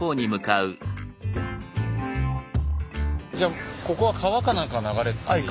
じゃあここは川か何かが流れてたという。